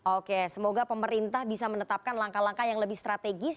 oke semoga pemerintah bisa menetapkan langkah langkah yang lebih strategis